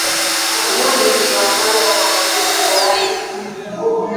uwa ni spika wa kwanza mwanamke kuwahi ku